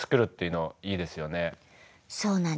そうなんです。